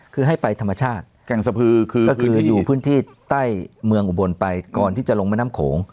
คือให้ไปธรรมชาติแก่งสะพือคือก็คืออยู่พื้นที่ใต้เมืองอุบลไปก่อนที่จะลงแม่น้ำโขง